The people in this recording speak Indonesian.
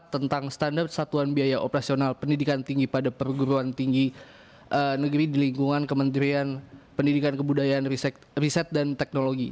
tentang standar satuan biaya operasional pendidikan tinggi pada perguruan tinggi negeri di lingkungan kementerian pendidikan kebudayaan riset dan teknologi